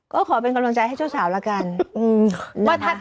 ก็ขอเป็นกำลังใจให้เจ้าสาวละกัน